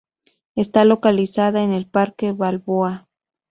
Está localizada en el Parque Balboa.